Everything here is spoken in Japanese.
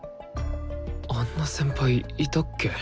あんな先輩いたっけ？